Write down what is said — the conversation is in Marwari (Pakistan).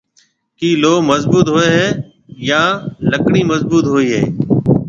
ڪِي لوه مضبوط هوئي هيَ يان لڪڙِي مضبوط هوئي هيَ؟